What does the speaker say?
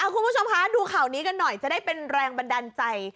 คุณผู้ชมคะดูข่าวนี้กันหน่อยจะได้เป็นแรงบันดาลใจ